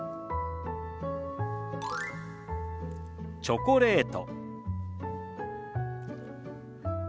「チョコレート」。